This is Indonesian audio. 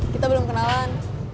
kita belum kenalan